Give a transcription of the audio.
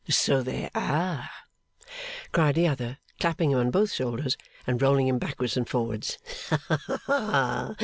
'So there are,' cried the other, clapping him on both shoulders, and rolling him backwards and forwards. 'Haha!